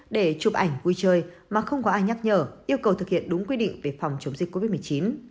để chụp ảnh vui chơi mà không có ai nhắc nhở yêu cầu thực hiện đúng quy định về phòng chống dịch covid một mươi chín